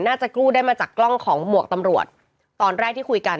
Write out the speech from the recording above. น่าจะกู้ได้มาจากกล้องของหมวกตำรวจตอนแรกที่คุยกัน